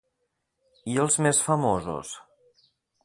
I els més famosos?